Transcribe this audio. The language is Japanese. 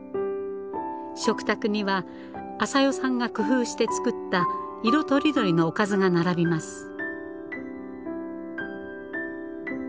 食卓にはあさよさんが工夫して作った色とりどりのおかずが並びます。